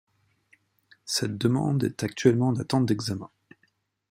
Cette demande est actuellement en attente d’examen.